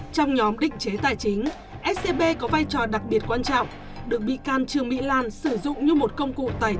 trong nhóm định chế tài chính scb có vai trò đặc biệt quan trọng được bị can trường mỹ lan xử dụng